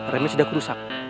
remnya sudah kursak